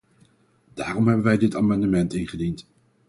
Daarom hebben wij dit amendement ingediend.